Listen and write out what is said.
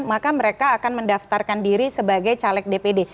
maka mereka akan mendaftarkan diri sebagai caleg dpd